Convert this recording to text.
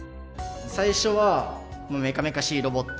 最初はメカメカしいロボット。